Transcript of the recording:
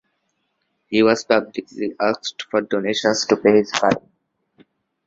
He has publicly asked for donations to pay his fine.